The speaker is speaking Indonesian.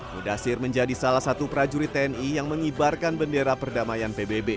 mudasir menjadi salah satu prajurit tni yang mengibarkan bendera perdamaian pbb